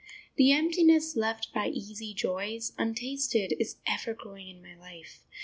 The emptiness left by easy joys, untasted, is ever growing in my life.